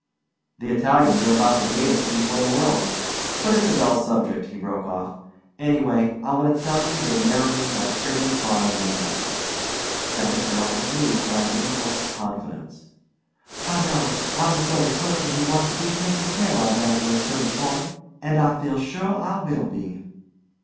"The Italians are about the gayest people in the world but it's a dull subject," he broke off. "Anyway, I want to tell you you're marrying a pretty fine man." Sally Carrol was moved by an impulse of confidence. "I know. I'm the sort of person who wants to be taken care of after a certain point, and I feel sure I will be."